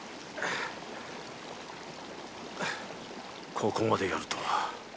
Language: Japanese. ここまでやるとは